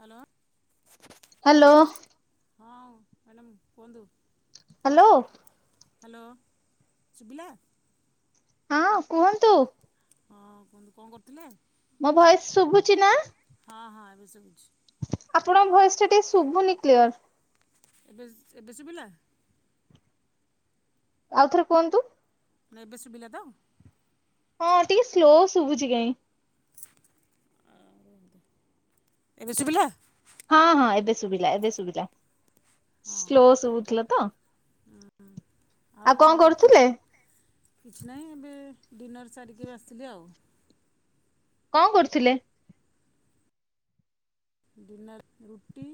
Hello. Hello. ହଁ, madam କୁହନ୍ତୁ? Hello. Hello, Subila? ହଁ, କୁହନ୍ତୁ? ହଁ କୁହନ୍ତୁ, କଣ କରୁଥିଲେ? ମୋ ଭୟସ ଶୁଭୁଛି ନା? ହଁ ହଁ ଏବେ ସୁବୁଛି। ଆପଣଙ୍କ ଭଏସଟା ଟିକେ ଶୁଭୁନି କ୍ଲିୟର? ଏବେ ସ ଏବେ ଶୁଭିଲା? ଆଉ ଥରେ କୁହନ୍ତୁ। ନାଁ ଏବେ ସୁବିଲା ତ? ହଁ ଟିକେ ସ୍ଲୋ ଶୁଭୁଛି କାଇଁ। ଏବେ ସୁବିଲା? ହଁ ହଁ ଏବେ ସୁବିିଲା ଏବେ ସୁବିଲା। ହଁ ସ୍ଲୋ ଶୁଭୁଥିଲା ତ। ଆଉ କଣ କରୁଥୁଲ? କିଛି ନାହିଁ ଏବେ ଡିନର୍ ସାରିକି ଆସିଲି ଆଉ। କଣ କରୁଥିଲେ? ଡିନର୍ ରୁଟି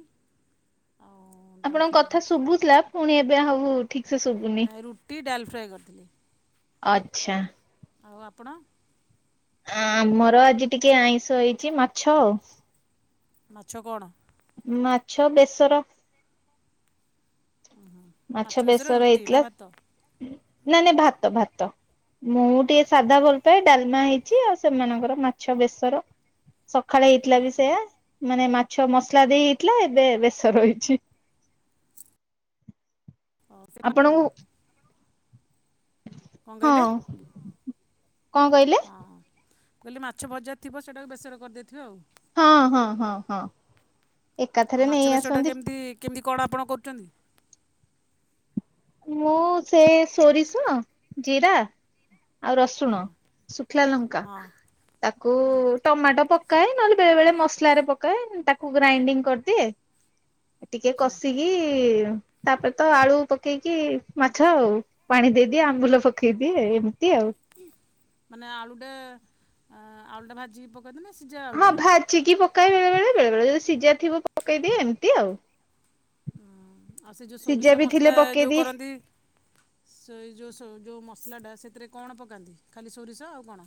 ଆଉ ଡାଲ୍ ଆପଣଙ୍କ ଫ୍ରାଏ କଥା କରିଥିଲି ଶୁଭୁଥିଲା ପୁଣି ଏବେ ଆଉ ଠିକ୍ ସେ ଶୁଭୁନି। ନାଇଁ ରୁଟି, ଡାଲ୍ ଫ୍ରାଏ କରିଥିଲି। ଆଛା। ଆଉ ଆପଣ? ଆ ଆମର ଆଜି ଟିକେ ଆଇଁଷ ହେଇଛି ମାଛ ଆଉ। ମାଛ କଣ? ମାଛ ବେସର। ମାଛ ବେସର ରୁଟି ନା ଭାତ? ନାଇଁ ନାଇଁ ଭାତ, ଭାତ। ମୁଁ ଟିକେ ସାଧା ଭଲ ପାଏ ଡାଲମା ହେଇଛି ଆଉ ସେମାନଙ୍କର ମାଛ ବେସର। ସଖାଳେ ହେଇଥିଲା ବି ସେଇଆ ମାନେ ମାଛ ମସଲା ଦେଇ ହେଇଥିଲା ଏବେ ବେସର ହେଇଛି। ଓ ସେ ମାଛ ଆପଣଙ୍କୁ କଣ କଣ ହଁ କହିଲେ? କଣ କହିଲେ ହଁ। ମୁଁ କହିଲି ମାଛ ଭଜା ଥିବ ସେଇଟାକୁ ବେସର କରିଦେଇଥିବେ ଆଉ। ହଁ, ହଁ, ହଁ, ହଁ। ଆଉ ଏକାଥରେ ମାଛ ନେଇ ବେସରଟା ଆସନ୍ତି। କେମିତି କେମିତି କଣ ଆପଣ କରୁଛନ୍ତି? ମୁଁ ସେ ସୋରିଷ, ଜିରା ଆଉ ରସୁଣ, ଶୁଖିଲା ଲଙ୍କା ହଁ ତାକୁ ଟମାଟ ପ କାଏ ନହେଲେ ବେଳେ ବେଳେ ମସଲାରେ ପକାଏ ତାକୁ ଗ୍ରାଇଣ୍ଡିଙ୍ଗ କରିଦିଏ ଟିକେ ଆଚ୍ଛା କସି କି ତାପରେ ତ ଆଳୁ ପକେଇକି ମାଛ ଆଉ। ପାଣି ଦେଇଦିଏ ଆମ୍ବୁଲ ପକେଇଦିଏ ଏମିତି ଆଉ। ମାନେ ଆଳୁଟା ଆ ଆଳୁଟା ଭାଜିକି ପକାନ୍ତିନା ସିଝା ହଁ ଆଳୁଟା? ଭାଜିକି ପକାଏ ବେଳେବେଳେ ବେଳେ ବେଳେ ଯଦି ସିଝାଥିବ ପକେଇଦିଏ ଏମିତି ଆଉ। ଆଉ ସେ ଯେଉଁ ସିଝା ସୋରିଷ ବି ଥିଲେ ମସଲା ଯୋଉ ପକେଇଦିଏ କରନ୍ତି ସେ ଯୋଉ ଯୋଉ ମସଲାଟା ସେଥିରେ କଣ ପକାନ୍ତି? ଖାଲି ସୋରିଷ ଆଉ କଣ?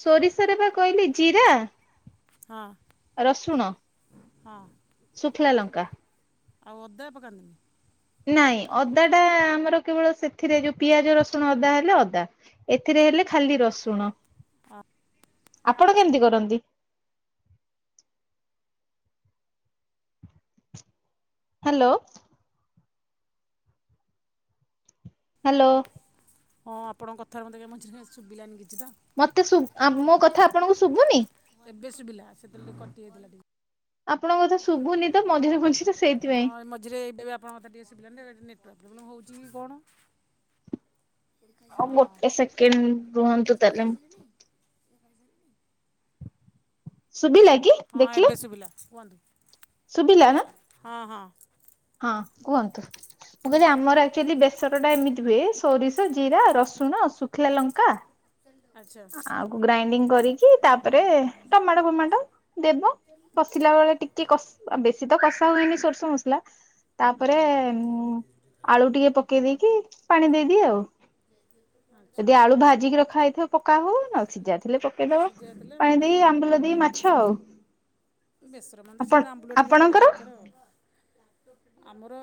ସୋରିଷରେ ପା କହିଲି ଜିରା ହଁ ରସୁଣ, ହଁ ଶୁଖିଲା ଲଙ୍କା। ଆଉ ଅଦା ପକାନ୍ତିନି? ନାଇଁ ଅଦା ଟା ଆମର କେବଳ ସେଥିରେ ଯୋଉ ପିଆଜ, ରସୁଣ, ଅଦା ହେଲେ ଅଦା। ଏଥିରେ ହେଲେ ଖାଲି ରସୁଣ। ଅ, ଆପଣ କେମିତି କରନ୍ତି? ହ୍ୟାଲୋ। ହ୍ୟାଲୋ। ହଁ ଆପଣଙ୍କ କଥାରେ ମୋତେ କାଇଁ ମଝିରେ ମଝିରେ ଶୁଭିଲାନି କିଛି ତ। ମତେ ଶୁ ଆ ମୋ କଥା ଆପଣଙ୍କୁ ଶୁଭୁନି? ହଁ, ଏବେ ଶୁଭିଲା ସେତେବେଳେ ଟିକେ କଟି ଯାଇଥିଲା ଟିକେ। ଆପଣଙ୍କ କଥା ହଁ ମଝିରେ [unintelligible] ଶୁଭୁନି ତ ମଝିରେ ମଝିରେ ସେଇଥିପାଇଁ। ହଁ ମତେ ଟିକେ ଶୁବିଲାନି [unintelligible] ନେଟୱର୍କ୍ ପ୍ରୋବଲମ୍ ହଉଛି କି କଣ। ହଁ, ଗୋଟେ ସେକେଣ୍ଡ ରୁହନ୍ତୁ ତାହେଲେ। [inaudible] ଶୁଭିଲା କି? ହଁ ଦେଖିଲେ ଏବେ ଶୁବିଲା କୁହନ୍ତୁ? ଶୁଭିଲା ନା? ହଁ ହଁ ହଁ କୁହନ୍ତୁ। ମୁଁ କହିଲି ଆମର ଆକ୍ଚୁଆଲି ବେସରଟା ଏମିତି ହୁଏ। ସୋରିଷ ଜିରା ରସୁଣ ଶୁଖିଲା ଲଙ୍କା ଆଚ୍ଛା ଆକୁ ଗ୍ରାଇଣ୍ଡିଙ୍ଗ କରିକି। ତାପରେ ଟମାଟ ଫମାଟ ଦେବ। କଶିଲା ବେଳେ ଟିକେ କଶି ଆ ବେ- ବେଶୀ ତ କଷା ହୁଏନି ସୋରିଷ ମସଲା। ହୁଁ ତାପରେ ହୁଁ ଆଳୁ ଟିକେ ପ ପକେଇ ଦେଇକି ପାଣି ଦେଇ ଦିଏ ଆଉ। ଆଚ୍ଛା ଯଦି ଆଳୁ ଭାଜିକି ରଖା ହେଇଥିବ ପକା ହଉ ନହେଲେ ସିଝା ଥିଲେ ପକେଇଦବ ସିଝା ଥିଲେ ପାଣି ହଁ ଦେଇ ଆମ୍ବୁଲ ଦେଇ ମାଛ ଆଉ। ବେସର ମାନେ ତ ଆପଣ ସେଇଟା ଆମ୍ବୁଲ ଟିକେ ଆପଣଙ୍କର? ପଡ଼ିବା ଦରକାର ଆଉ। ଆମର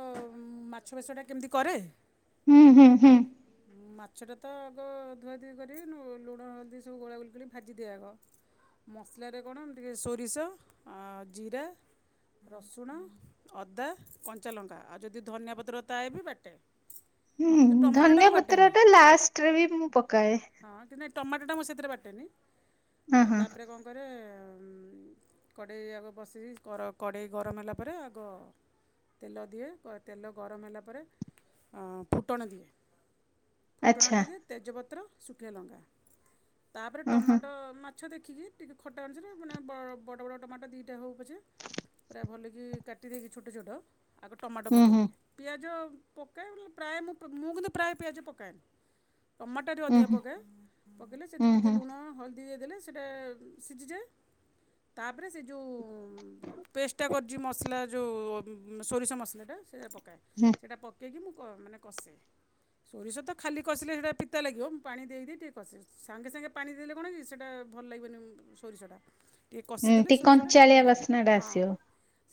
ମାଛ ବେସରଟା କେମିତି କରେ। ଉଁ ହୁଁ ହୁଁ ମାଛଟା ତ ଆଗ ଧୁଆଧୁଇ କରି ଲୁ ଲୁଣ ହଳଦୀ ସବୁ ଗୋଳା ଗୋଳି କରି ଭାଜି ଦିଏ ଆଗ। ମସଲାରେ କଣ ଟିକେ ସୋରିଷ ଆଁ ଜିରା ରସୁଣ ଅଦା କଞ୍ଚାଲଙ୍କା ଆଉ ଯଦି ଧନିଆ ପତ୍ର ଥାଏ ବି ବାଟେ। କିନ୍ତୁ ଟମାଟଟାକୁ ବାଟ୍ ସେଥିରେ ଏଟା ଲାଷ୍ଟରେ ବି ମୁଁ ପକାଏ। ହଁ କିନ୍ତୁ ନାଇଁ ଟମାଟଟା ମୁଁ ସେଥିରେ ବାଟେନି। ହଁ ଆଉ ହଁ ତାପରେ କଣ ତାପରେ କଡ଼େଇ ଆଗ ବସି କି କର କଡ଼େଇ ଗରମ ହେଲା ପରେ ଆଗ ତେଲ ଦିଏ। କ ତେଲ ଗରମ ହେଲା ପରେ ଫୁଟଣ ଦିଏ। ଫୁଟଣ ଆଚ୍ଛା। ଟିକେ ତେଜପତ୍ର ଶୁଖିଲା ଲଙ୍କା ତାପରେ ଉଁ ଟମାଟ ହୁଁ ମା- ମାଛ ଦେଖିକି ଟିକେ ଖଟା ଅନୁସାରେ ମାନେ ବଡ଼ ବଡ଼ ବଡ଼ ଟମାଟ ଦିଟା ହଉ ପଛେ କେ ପୁରା ଭଲ କି କାଟି ଦେଇକି ଛୋଟ ଛୋଟ ଆଗ ଟମାଟ ଉଁ ହୁଁ ପକେଇଦିଏ। ପିଆଜ ପକାଏ ନହେଲେ ପ୍ରାୟ ମୁଁ ମୁଁ କିନ୍ତୁ ପ୍ରାୟ ପିଆଜ ପକା - ପକାଏନି ଟମାଟଟା ଟିକେ ଉଁ ଅଧିକା ହୁଁ ପକାଏ ପକେଇଲେ ସେଇଠି ଉଁ ଟିକେ ହୁଁ ଲୁଣ ହଳଦୀ ଦେଇଦେଲେ ସେଥିରେ ସିଝିଯାଏ। ତାପରେ ସେ ଯେଉଁ ହୁଁ ପେଷ୍ଟଟା କରିଚି ମସଲା ଯୋଉ ଉଁ ସୋରିଷ ମସଲାଟା ସେଇଟା ପକାଏ। ହୁଁ ସେଇଟା ପକେଇକି ମୁଁ କ ମାନେ କଷେ। ସୋରିଷ ତ ଖାଲି କସିଲେ ସେଇଟା ପିତା ଲାଗିବ। ମୁଁ ପାଣି ଦେଇ ଦେଇ ଟିକେ କସେ। ସାଙ୍ଗେ ସାଙ୍ଗେ ପାଣି ଦେଲେ କଣ କି ସେଇଟା ଭଲ ଲାଗିବନି ସୋରିଷଟା। ଟିକେ ହୁଁ କଷିଦେଲେ ସୋରିଷଟା ଟିକେ ଭଲ କଞ୍ଚାଳିଆ ଲାଗିବ ବାସ୍ନା ଟା ହଁ। ଆସିବ।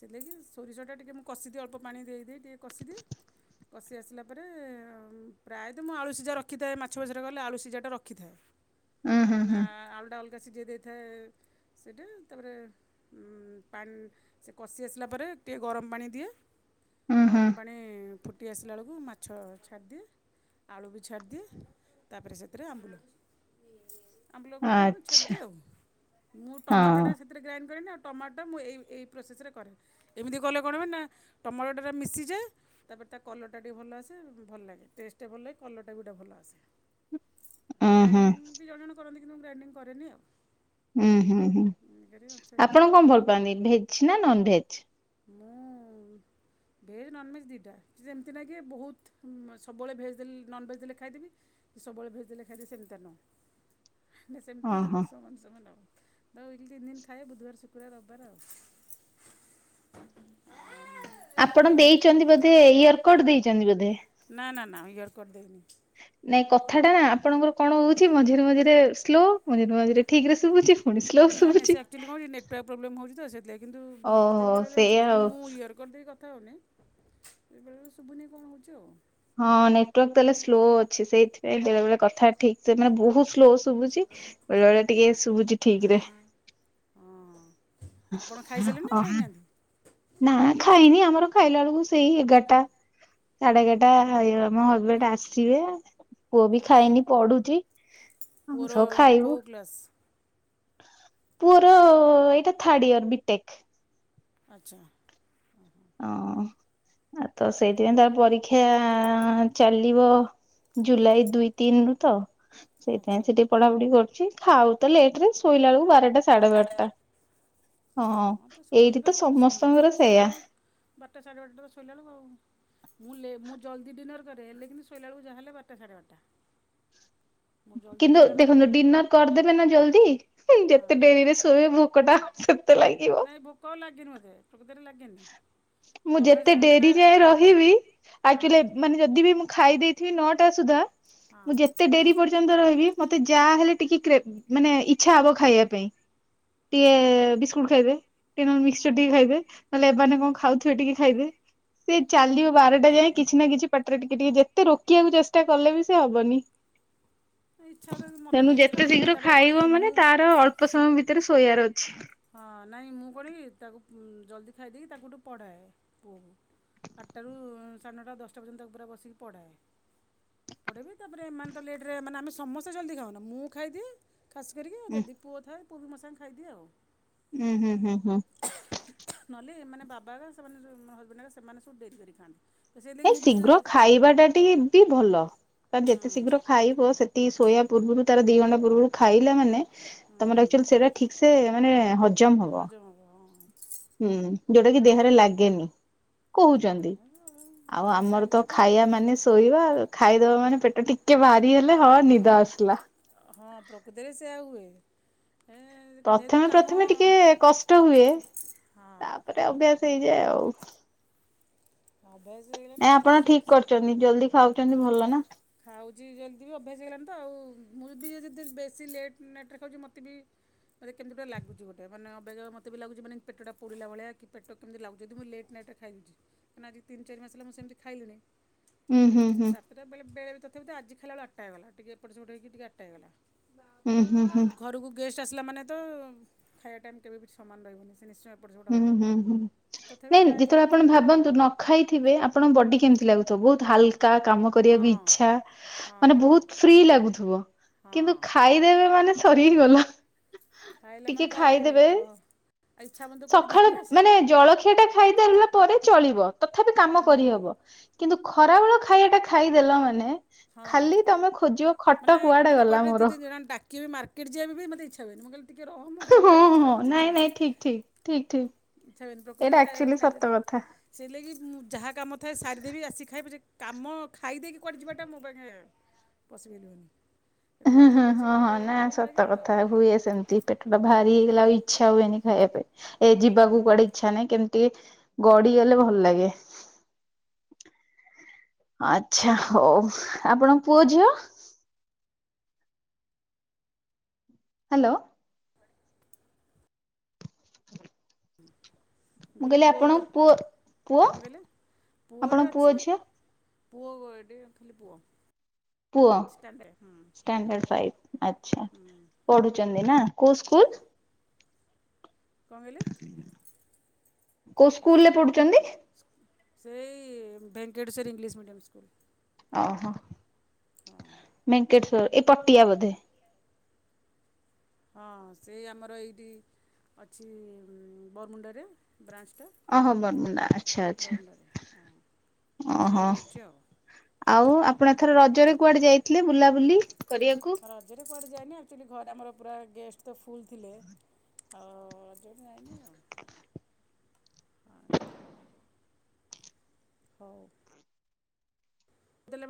ସେଥିଲାଗି କି ସୋରିଷଟା ଟିକେ ମୁଁ କଷି ଦିଏ ଅଳ୍ପ ପାଣି ଦେଇ ଦେଇ ଟିକେ କଷି ଦିଏ। କଷି ଆସିଲା ପରେ ପ୍ରାୟ ସେଥିପାଇଁ ମୁଁ ଆଳୁ ସିଝା ରଖିଥାଏ ମାଛ ଫାଛରେ କଲେ ଆଳୁ ସିଝାଟା ରଖିଥାଏ। ଉଁ ହୁଁ ମାନେ ହୁଁ ଆଳୁଟା ଅ ଅଲଗା ସିଝେଇ ଦେଇଥାଏ ସେଇଟି। ତାପରେ ଉଁ ପାଣି ସେ କଷି ଆସିଲା ପରେ ଟିକେ ଗରମ ପାଣି ଦିଏ। ଉଁ ହୁଁ ଗରମ ପାଣି ଫୁଟି ଆସିଲା ବେଳକୁ ମାଛ ଛାଡ଼ି ଦିଏ। ଆଳୁ ବି ଛାଡ଼ି ଦିଏ। ତାପରେ ସେଥିରେ ଆମ୍ବୁଲ ଆମ୍ବୁଲ ଗୋଟେ ଖଣ୍ଡେ ଛାଡ଼ି ଆଚ୍ଛା ଦିଏ ଆଉ। ମୁଁ ହଁ ଟମାଟଟା ସେ ସେଥିରେ ଗ୍ରାଇଣ୍ଡ କରେନି ଆଉ ଟମାଟଟା ମୁଁ ଏଇ ଏଇ ପ୍ରୋସେସରେ କରେ। ଏମିତି କଲେ କଣ ହୁଏ ନା ଟମାଟଟାରେ ତ ମିଶିଯାଏ। ତାପରେ ତା କଲରଟା ଟିକେ ଭଲ ଆସେ। ଭଲ ଲାଗେ ଟେଷ୍ଟ ଟିକେ ଭଲ ଲାଗେ କଲରଟା ବି ଗୋଟେ ଭଲ ଆସେ। ଉଁ ହୁଁ। ଗ୍ରାଇଣ୍ଡିଙ୍ଗ ବି ଜଣେ ଜଣେ କରନ୍ତି କିନ୍ତୁ ମୁଁ ଗ୍ରାଇଣ୍ଡିଙ୍ଗ କରେନି ଆଉ। ହୁଁ ହୁଁ ହୁଁ ଇଏ କରି ଆଚ୍ଛା ସେଟା ଆପଣ କଣ ଭଲ ପାଆନ୍ତି ଭେଜ ନା ନନ ଭେଜ? ମୁଁ ଭେଜ୍ ନନ୍ ଭେଜ୍ ଦିଇଟା ସେ ଯେମିତି ଲାଗେ ବହୁତ ସବୁବେଳେ ଭେଜ୍ ଲେ ନନ ଭେଜ୍ ଦେଲେ ଖାଇଦବି ସବୁବେଳେ ଭେଜ ଦେଲେ ଖାଇଦେବି ସେମିତିୟା ନୁହଁ। ନା ସେମିତି ଆଉ ଓହୋ ସମାନ ସମାନ ଆଉ। [unintelligible] ତିନି ଦିନ ଖାଏ ବୁଧବାର ଶୁକ୍ରବାର ରବିବାର ଆଉ। ଆପଣ ଦେଇଛନ୍ତି ବୋଧେ ଇୟର କଟ ଦେଇଛନ୍ତି ବୋଧେ? ନା ନା ନା ଇୟରକଟ୍ ଦେଇନି। ନାଇଁ କଥା ଟା ନା ଆପଣଙ୍କର କଣ ହଉଛି ମଝିରେ ମଝିରେ ସ୍ଲୋ ମଝିରେ ମଝିରେ ଠିକ ରେ ଶୁଭୁଛି। ପୁଣି ସ୍ଲୋ ନାଇଁ ନାଇ ଶୁଭୁଛି। ସେ ଆକ୍ଚୁଲି କଣ ନା ନେଟୱାର୍କ ପ୍ରୋବଲେ ହେଉଛି ତ ସେଥିଲାଗ କିନ୍ତୁ ମତେ ବି ଓହୋ ବେଳେବେଳେ ମୁ [unintelligible] ସେଇଆ କିନ୍ତୁ ଆଉ ମୁଁ ଇୟ କରିଦେଇକି କଥା ହେଉନି ବେଳେବେଳ ଶୁଭୁନି କଣ ହେଉଛି ଆଉ। ହଁ ନେଟୱାର୍କ ତାହଲେ ସ୍ଲୋ ଅଛି ସେଇଥିପାଇଁ ବେଳେଳେ କଥା ଠିକ୍ ସେ ମାନେ ବହୁତ ସ୍ଲୋ। ଶୁଭୁଛି ବେଳେ ବେଳେ ଟିକେ ଶୁଭୁଛି ଠିକ ରେ। ହଁ ଆପଣ ଖାଇସାରିଲେଣି ନା ହଁ। ଖାଇନାହାନ୍ତି ନା ଖାଇନି ଆମର ଖାଇଲା ବେଳକୁ ସେଇ ଏଗାରଟା ସାଢେ ଏଗାରଟା। [unintelligible] ମୋ ହଜବେଣ୍ଡ ଆସିବେ ପୁଅ ବି ଆଚ୍ଛା ଖାଇନି ପଡୁଛି ଆ ପୁଅର ସବୁ କେଉଁ ଖାଇବୁ। କ୍ଲାସ୍ ପୁଅର ଏଇଟା ଥାର୍ଡ ଇୟର ବିଟେକ୍। ଆଚ୍ଛା। ହଁ ଆଉ ତ ସେଇଥିପାଇଁ ତ ପରୀକ୍ଷା ଚାଲିବ ଜୁଲାଇ ଦୁଇ ତିନି ରୁ ତ ଆଚ୍ଛା ସେଇଥିାଇଁ ସେଠି ପଢାପଢି କରୁଛି ଖାଉ ତ ଲେଟ ରେ ଶୋଇଲା ବେଳକୁ ବାରଟା ସାଢେ ବାରଟା। ହଁ ତ ଏଇଠି ସମସ୍ତେ ପା ତ ସମସ୍ତେ ସମସ୍ତଙ୍କର ତ ଶୋଇଲା ସେଇୟା ବେଳକୁ ବାରଟା ସାଢ଼େ ବାରଟାରେ ତ ଶୋଇଲାବେଳୁକୁ। ମୁଁ ଲେ ମୁଁ ଜଲଦି ଡିନର୍ କରେ ହେଲେ କିନ୍ତୁ ଶୋଇାଲା ବେଳକୁ ଯାହା ହେଲେ ବାର ଟା ସାଢେ ବାରଟା। [inaudible] ମୁଁ ଜଲ୍ଦି କିନ୍ତୁ ଡିନର୍ ଦେଖନ୍ତୁ ଡିନର କରିଦେବେ ନା ଜଲ୍ଦି ହଁ ଯେତେ ଡେରିରେ ଶୋଇବେ ଭୋକଟା ସେତେ ଲାଗି ନାଇଁ ଭୋକ ଲାଗିବନି। [unintelligible] [inaudible] ମୁଁ ଯେତେ ଡେରି ଯାଏ ରହିବି ଆ ହଁ ମାନେ ଯଦି ବି ମୁଁ ଖାଇ ଦେଇଥିବି ନଅଟା ସୁଦ୍ଧା ହଁ ମୁଁ ଯେତେ ଡେରି ପ ପର୍ଯ୍ୟ ରହିବି ମତେ ଯାହା ହେଲେ ଟିକେ କ୍ରେ ମାନେ ଇଛା ହବ ଖାଇବା ପାଇଁ। ହଁ ଟିକେ ହଁ ବିସ୍କୁଟ ଖାଇଦେ ଟିକେ ନହେଲେ ମିକ୍ସଚର ଟିକେ ଖାଇଦେ ନହେଲେ ଏମାନେ କଣ ଖାଉଥିବେ ଟିକେ ଖାଇଦେ। ସେ ଚାଲିବ ବାରଟା ଯାଏ କିଛି ନା କିଛି ପାଟରେ ଟିକେ ଟିକେ ଯେତେ ରୋକିବାକୁ ଚେଷ୍ଟା କଲେ ବି ସେ ହବନି। ନା ଇଚ୍ଛା ତ [inaudible] ମୋତେ ତ ତଣୁ ଇଚ୍ଛା ଯେତେ ହୁଏନି ଶୀଘ୍ର ତାପରେ କ'ଣ କି ଖାଇବ ମାନେ ମୁଁ ତାର ଅଳ୍ପ ଶୀ- ସମୟ ଭିତରେ ଶୋଇବାର ଅଛି। ହଁ ନାଇଁ ମୁଁ କରି ତାକୁ ଜଲ୍ଦି ଖାଇ ଦେଇକି ତାକୁ ଗୋଟେ ପଢ଼ାଏ ପୁଅକୁ। ଆଠଟାରୁ ସାଢେ ନଅଟା ଦଶଟା ପର୍ଯ୍ୟନ୍ତ ତା ପୁରାଏ ବସିକି ପଢ଼ାଏ। ପଡ଼େଇବି ତାପରେ ଏମାନେ ତ ଲେଟ ରେ ମାନେ ଆମେ ସମସ୍ତେ ଜଲ୍ଦୀ ଖାଉନା ମୁଁ ଖାଇଦିଏ। ଖାସ୍ କରିକି ଆଉ ଉଁ ଯଦି ଥାଏ ପୁଅ ବି ମୋ ସହିତ ଖାଇଦିଏ ଆଉ। ହୁଁ ହୁଁ ହୁଁ ହୁଁ। ନହେଲେ ଏମାନେ ବାବା ସେମାନେ ହଜବେଣ୍ଡ ସେମାନେ ସବୁ ଡେରି କରି ଖାଆନ୍ତି। ତ ଏ ସେଇଥିଲାଗି ମୁଁ ବି ସେ ଶୀଘ୍ର ଖାଇବାଟା ଟିକେ ବି ଭଲ କାର ହଁ ଯେତେ ଶୀଘ୍ର ଖାଇବ ସେ ଯଦି ଶୋଇବା ପୂର୍ବରୁ ତାର ଦି ଘଣ୍ଟା ପୂର୍ବରୁ ଖାଇଲା ମାନେ ହଁ ତମର ହଁ ଆକ୍ଚୁଆଲି ସେଇଟା ଠିକ୍ ସେ ସେ ମାନେ ହଜା ହଜମ ହବ ହୁଁ ଯୋଉଟା କି ଦେହରେ ଲାଗେନି କହୁଚନ୍ତି। ଆଉ ହଁ ଆମର ତ ଚାଲିଛି ଖାଇବା ମାନେ ଶୋଇବା ଖାଇଦବା ହଁ ମାନେ ପେଟ ଟିକେ ଭାରି ହେଲେ ହଁ ନିଦ ଆସିଲା। ହଁ ପ୍ରକୃତରେ ସେୟା ହୁଏ ହେ ପ୍ରଥମେ ପ୍ରଥମେ ଟିକେ କଷ୍ଟ ହୁଏ ହଁ ତାପରେ ଅଭ୍ୟାସ ହେଇଯାଏ ଆଉ। ଅଭ୍ୟାସ ହେଇଗ ନାଇଁ ଆପଣ ଠିକ୍ କରୁଚନ୍ତି ଜଲଦି ଖାଉଛନ୍ତି ଭଲ ନା। ଖାଉଛି ଜଲ୍ଦି ବି ଅଭ୍ୟାସ ହେଇଲାଣି ତ ଆଉ ମୁଁ ବି ଯଦି ବେଶୀ ଲେଟ୍ ନାଇଟ୍ ରେ ଖାଉଚି ମୋତେ ବି ମାନେ କେମତି ଗୋଟେ ଲାଗୁଛି ଗୋଟେ ମାନେ ଅବାଗିଆ ମତେ ବି ଲାଗୁଚି ମାନେଟା ପେଟଟା ପୁଡ଼ିଲା ଭଳିଆ କି ପେଟ କେମିତି ଲାଗୁଚି, ଯଦି ମୁଁ ଲେଟ ନାଇଟରେ ଖାଇଦୋଉଚି କାଇଁନା ଆଜି ତିନ ଚାର ମାସ ହେଲା ମୁଁ ସେମିତି ଖାଇଲିଣି। ହୁଁ ହୁଁ ହୁଁ। ସେଟାବେ ବେଳେ ରେ ତଥାପି ତ ଆଜି ଖାଇଲାବେଳେ ଆଟା ହେଇଗଲା ଟିକେ ଏପଟ ସେପଟ ହେକିିକେ ଆଟା ହେଇଗଲା। ହୁଁ ହୁଁ ଆଉ ହୁଁ ଘରୁକୁ ଗେଷ୍ଟ ଆସିଲା ମାନେ ତ ଖାଇବା ଟାଇମ୍ କେବେ ବି ସମାନ ରହିବନି ସେ ନିଶ୍ଚୟ ଏପଟ ସେପଟ ହୁଁ ହେବ। ହୁଁ ହୁଁ ତଥାପି ନାଇଁ ଟ୍ରାଏ କରେ ଯେତେବେଳେ ଆପଣ ଭାବନ୍ତୁ ନ ଖାଇଥିବେ ଆପଣଙ୍କ ବଡି କେମିତି ଲାଗୁଥିବ, ବହୁତ ହାଲକା କାମ କରିବାକୁ ହଁ ଇଚ୍ଛା ମାନେ ହଁ। ବହୁତ ଫ୍ରୀ ଲାଗୁଥିବ ହଁ କିନ୍ତୁ ଖାଇ ଖାଇଦେବେ ମାନେ ସରି ଗଲା। ଖାଇଲେ ମାନେ ତ ଆଉ ଇଚ୍ଛା ହବନି ତ କୁଆଡ଼େ ଯିବା ସଖାଳୁ ପାଇଁ ମାନେ ଆସିବେ ଆଉ ଜଳଖିଆ ଟା ଖାଇଦେଲା ପରେ ଚଳିବ ତଥାପି କାମ ହୁଁ କରିହବ। କିନ୍ତୁ ଖରାବେଳ ଖାଇବା ଟା ଖାଇଦେଲ ମାନେ ହଁ ଖାଲି ତମେ ଖୋଜିବ ଖଟ କୁଆଡେ ଗଲା ମୋର। କିଏ ବି ମାର୍କଟ ଯିବା ବି ମୋତେ ଇଚ୍ଛା ହୁଏନି ମୁଁ କହିଲି ଟିକେ ରହ ମୁଁ ଘଣ୍ଟାଟେ ଯାଉ ପଛେ ଯିବି। ଠିକ୍ ଠିକ୍। ଇଛା ହୁଏନି ପ୍ରକୃତରେ ଖାଇ ଖାଇଦେଲେ ସେଇ ଲାଗି ମୁଁ ଯାହା କାମ ଥାଏ ସାରିଦେବି ଆସି ଖାଏ ପଛେ କାମ ଖାଇଦେଇକି କୁଆଡେ ଯିବାଟା ମୋ ପାଖେ ଅସୁବିଧା। ହୁଁ ହୁଁ ହଁ ହଁ ନା ସତ ଲାଗେନି ଆଉ କଥା ହୁଏ ସେମତି। ପେଟଟା ଭାରି ହେଇଗଲେ ଆଉ ଇଚ୍ଛା ହୁଏନି ଖାଇବା ପାଇଁ ଏ ଯିବାକୁ କୁଆଡେ ଇଚ୍ଛା ନାହିଁ କେମତି କି ଗଡିଗଲେ ଭଲ ଲାଗେ। ଆଚ୍ଛା ହଉ ଆପଣଙ୍କ ପୁଅ ଝିଅ। ହାଲୋ। ହୁଁ। ମୁଁ କହିଲି ପୁଅ ଦେ, ପୁଅ କଣ କହିଲେ ପୁଅ ଏଇଟି ଆପଣଙ୍କ ଅଛି। ଝିଅ ପୁଅ ଗୋଏଟି ଖାଲି ପୁଅ। ପୁଅ ଷ୍ଟାଣ୍ଡାର୍ଡ଼ ହୁଁ ଷ୍ଟାଣ୍ଡାଡ ଫାଇଭ ଆଛା। ହୁଁ ପଢୁଚନ୍ତି ନାଁ କୋଉ ସ୍କୁଲ? କଣ କହିଲେ? କୋଉ ସ୍କୁଲରେ ପଢୁଚନ୍ତି? ସେଇ ଭେଙ୍କଟେଶ୍ୱରୀ ଇଂଲିଶ ମିଡିୟମ ସ୍କୁଲ। ଓହୋ ହଁ। ଭେଙ୍କେଟେଶ୍ୱର ଏଇ ପଟିଆ ବୋଧେ। ହଁ ସେଇ ଆମର ଏଇଠି ଅଛି ବରମୁଣ୍ଡାରେ। ବ୍ରାଞ୍ଚଟା ଓହୋ ବରମୁଣ୍ଡା ଆଚ୍ଛା ଆଚ୍ଛା ବରମୁଣ୍ଡାରେ ହଁ। ଓହୋ ସେଇଠି ପଢ଼ୁଛି ଆଉ। ଆଉ ଆପଣ ଏଥର ରଜରେ କୁଆଡେ ଯାଇ ଥିଲେ ବୁଲାବୁଲି କରିବାକୁ। ରଜରେ କୁଆଡ଼େ ଯାଇନି ଆକ୍ଚୁଆଲି ଘରେ ଆମର ପୁରା ଗେଷ୍ଟ ତ ଫୁଲ୍ ଥିଲେ। ଅ ରଜରେ ଆଇନି। ହଁ ଏମିତି ଆଉ। ହଉ। ଦେଲେ ବା [inaudible]